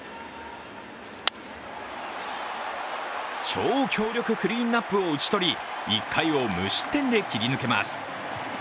超強力クリーンアップを打ち取り１回を無失点で切り抜けます。